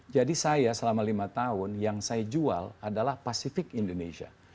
jadi saya selama lima tahun yang saya jual adalah pasifik indonesia